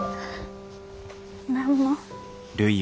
何も。